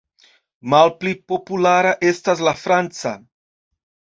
Malpli populara estas la franca.